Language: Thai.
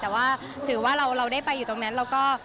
แต่ว่าถือว่าเราได้ไปอยู่ตรงนั้นเราก็